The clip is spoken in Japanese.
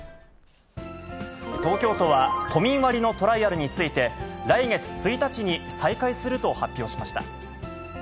東京都は、都民割のトライアルについて、来月１日に再開すると発表しました。